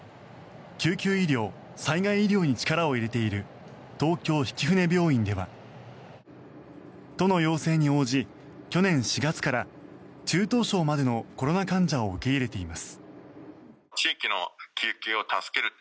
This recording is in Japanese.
救急医療、災害医療に力を入れている東京曳舟病院では都の要請に応じて去年４月から中等症までのコロナ患者を受け入れています。